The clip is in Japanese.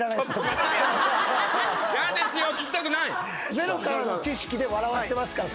ゼロからの知識で笑わせてますからすごいです。